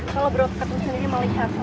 kalau bro keputusan diri melihat